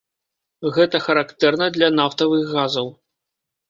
Гэта характэрна для нафтавых газаў.